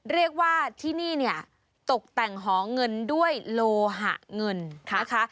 เรียกว่าที่นี่เนี่ยตกแต่งหอเงินด้วยโลหะเงินนะคะ